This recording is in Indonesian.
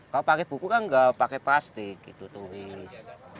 kalau pakai buku kan nggak pakai plastik gitu turis